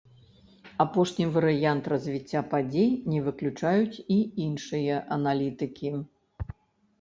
Апошні варыянт развіцця падзей не выключаюць і іншыя аналітыкі.